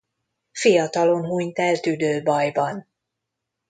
Fiatalon hunyt el tüdőbajban.